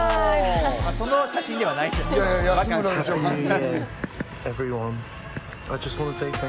その写真ではないんですけどね。